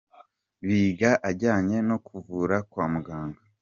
biga ajyanye no kuvura kwa muganga.